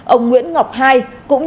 ông nguyễn ngọc ii